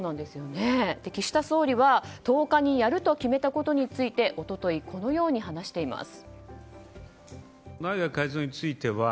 岸田総理は１０日にやると決めたことについて一昨日このように話しています。